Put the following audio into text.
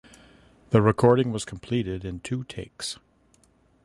The recording was completed in two takes.